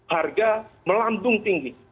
harga melandung tinggi